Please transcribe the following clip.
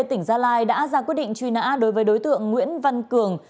tỉnh gia lai đã ra quyết định truy nã đối với đối tượng nguyễn văn cường